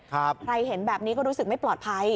ใครเห็นแบบนี้ก็รู้สึกไม่ปลอดภัย